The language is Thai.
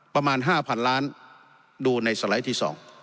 ประมาณ๕๐๐๐ล้านดูในสไลด์ที่๒